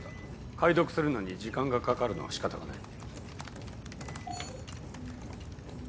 解読するのに時間がかかるのは仕方がない。